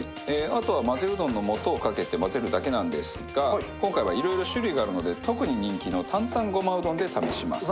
あとはまぜうどんの素をかけて混ぜるだけなんですが今回はいろいろ種類があるので特に人気の担々ごまうどんで試します。